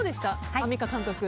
アンミカ監督？